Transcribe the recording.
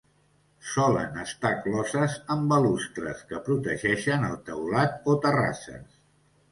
Solen estar closes amb balustres que protegeixen el teulat o terrasses.